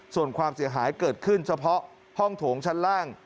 ส่วนความเสียหายเกิดขึ้นเฉพาะห้องโถงชั้นล่าง